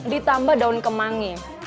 ditambah daun kemangi